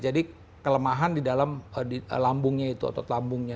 jadi kelemahan di dalam lambungnya itu otot lambungnya